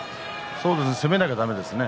攻めなければだめですね